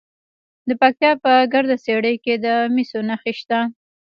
د پکتیا په ګرده څیړۍ کې د مسو نښې شته.